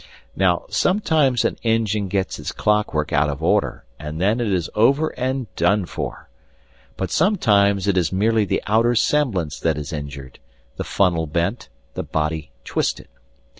Now, sometimes an engine gets its clockwork out of order, and then it is over and done for; but sometimes it is merely the outer semblance that is injured the funnel bent, the body twisted.